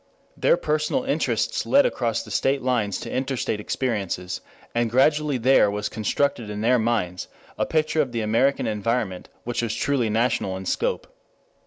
Their personal interests led across the state lines to interstate experiences, and gradually there was constructed in their minds a picture of the American environment which was truly national in scope.